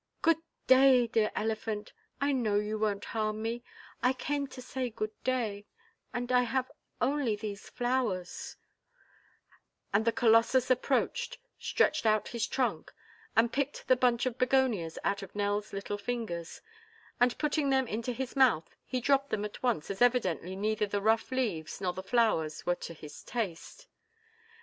"Good day, dear elephant. I know you won't harm me; so I came to say good day and I have only these flowers " And the colossus approached, stretched out his trunk, and picked the bunch of begonias out of Nell's little fingers, and putting them into his mouth he dropped them at once as evidently neither the rough leaves nor the flowers were to his taste.